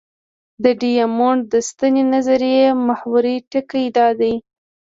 د ډیامونډ د سنتي نظریې محوري ټکی دا دی.